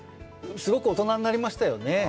すごく大人になりましたよね。